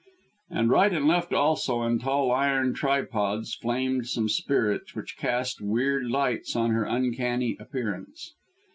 And right and left also, in tall iron tripods, flamed some spirits, which cast weird lights on her uncanny appearance.